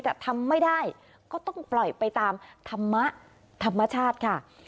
แต่ทำไม่ได้ก็ต้องปล่อยไปตามธรรมชาติค่ะ